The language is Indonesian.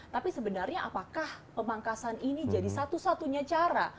tapi sebenarnya apakah pemangkasan ini jadi satu satunya cara